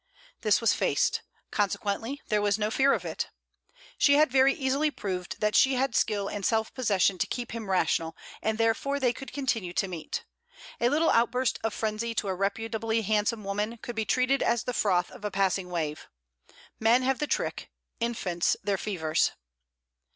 This was faced. Consequently there was no fear of it. She had very easily proved that she had skill and self possession to keep him rational, and therefore they could continue to meet. A little outburst of frenzy to a reputably handsome woman could be treated as the froth of a passing wave. Men have the trick, infants their fevers.